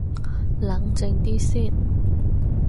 冷靜啲先